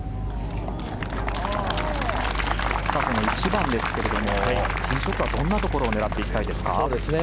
１番ですが、ティーショットはどんなところを狙っていきたいですか？